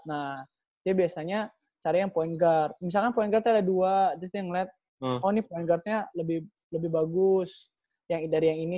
nah jadi biasanya caranya yang point guard misalnya point guard nya ada dua jadi dia ngeliat oh ini point guard nya lebih bagus dari yang ini